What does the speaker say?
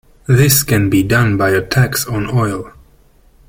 This can be done by a tax on oil.